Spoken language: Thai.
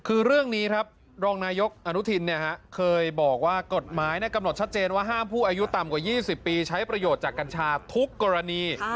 คือเรื่องนี้ครับรองนายกอนุทินเคยบอกว่ากฎหมายกำหนดชัดเจนว่าห้ามผู้อายุต่ำกว่า๒๐ปีใช้ประโยชน์จากกัญชาทุกกรณี